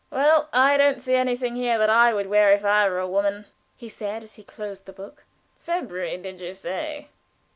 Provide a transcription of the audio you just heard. "Well, I don't see anything here that I would wear if I were a woman," he said, as he closed the book. "February, did you say?"